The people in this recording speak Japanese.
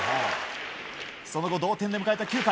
その後、同点で迎えた９回。